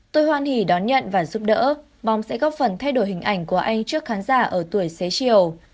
tôi hoan hỉ đón nhận và giúp đỡ mong sẽ góp phần thay đổi hình ảnh của anh trước khán giả ở tuổi xế chiều